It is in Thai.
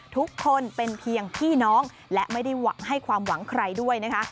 ทุกคนเป็นเพียงพี่น้องและไม่ได้ให้ความหวังใครด้วยนะคะ